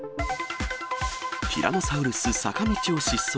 ティラノサウルス坂道を疾走。